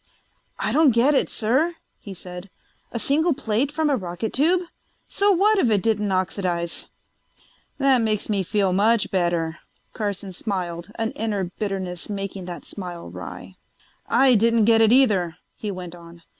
"I don't get it, sir," he said. "A single plate from a rocket tube ... So what if it didn't oxidize?" "That makes me feel much better." Carson smiled, an inner bitterness making the smile wry. "I didn't get it either," he went on.